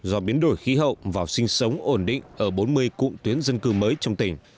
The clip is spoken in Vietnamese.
do biến đổi khí hậu vào sinh sống ổn định ở bốn mươi cụm tuyến dân cư mới trong tỉnh